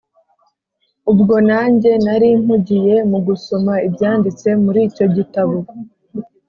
ubwo nanjye narimpugiye mugusoma ibyanditse muricyo gitabo